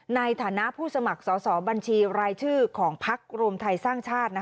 ในฐานะผู้สมัครสอบบัญชีรายชื่อของพักรวมไทยสร้างชาติ